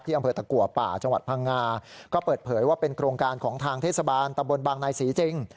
อำเภอตะกัวป่าจังหวัดพังงาก็เปิดเผยว่าเป็นโครงการของทางเทศบาลตำบลบางนายศรีจริง